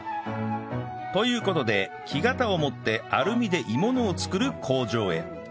という事で木型を持ってアルミで鋳物を作る工場へ